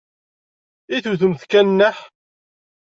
I tewtemt kan nneḥ?